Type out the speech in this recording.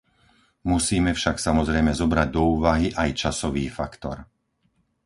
Musíme však samozrejme zobrať do úvahy aj časový faktor.